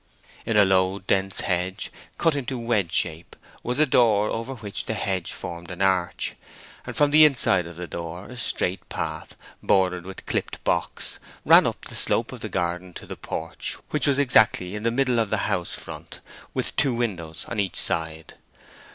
In a low, dense hedge, cut to wedge shape, was a door over which the hedge formed an arch, and from the inside of the door a straight path, bordered with clipped box, ran up the slope of the garden to the porch, which was exactly in the middle of the house front, with two windows on each side.